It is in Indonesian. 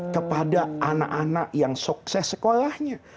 kepada anak anak yang sukses sekolahnya